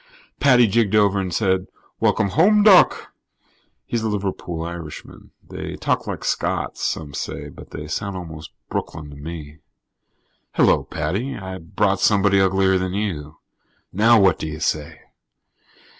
Paddy jigged over and said: "Welcome home, Doc." He's a Liverpool Irishman; they talk like Scots, some say, but they sound almost like Brooklyn to me. "Hello, Paddy. I brought somebody uglier than you. Now what do you say?"